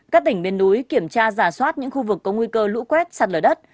các tỉnh miền núi kiểm tra giả soát những khu vực có nguy cơ lũ quét sạt lở đất